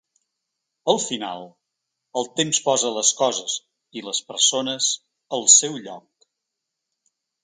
Al final, el temps posa les coses –i les persones– al seu lloc.